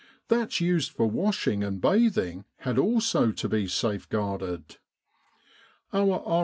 That used for washing and bathing had also to be safeguarded. Our R.